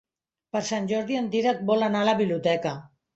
Per Sant Jordi en Dídac vol anar a la biblioteca.